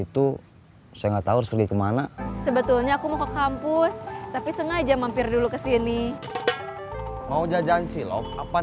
terima kasih sudah mampir sama sama